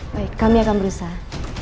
baik kami akan berusaha